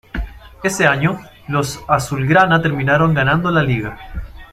Ese año, los azulgrana terminaron ganando la liga.